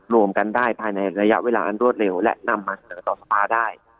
รวมกันได้ภายในระยะเวลาอันรวดเร็วและนำมาเสนอต่อสภาได้